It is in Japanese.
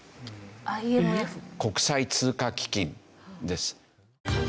国際通貨基金です。